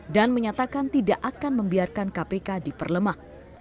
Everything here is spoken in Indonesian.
dan menyatakan tidak akan membiarkan kpk diperlemah